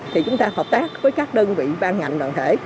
thì chúng ta hợp tác với các đơn vị ban ngành đoàn thể